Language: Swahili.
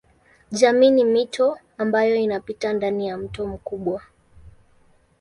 Jamii ni mito ambayo inapita ndani ya mto mkubwa.